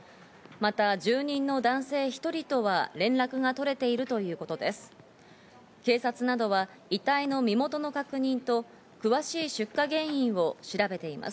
また住人の男性１人とは連絡が取れているということです。